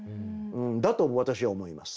だと私は思います。